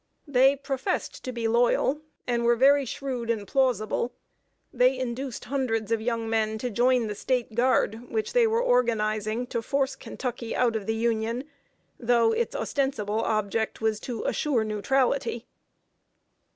They professed to be loyal, and were very shrewd and plausible. They induced hundreds of young men to join the State Guard, which they were organizing to force Kentucky out of the Union, though its ostensible object was to assure "neutrality."